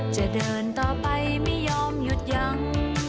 จะเดินต่อไปไม่ยอมหยุดยัง